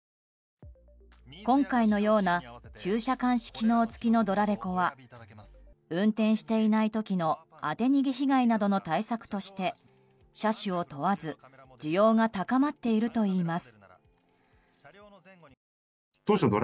今回のような駐車監視機能付きのドラレコは運転していない時の当て逃げ被害などの対策として車種を問わず需要が高まっているといいます。